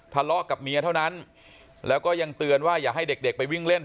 ทะเลาะกับเมียเท่านั้นแล้วก็ยังเตือนว่าอย่าให้เด็กไปวิ่งเล่น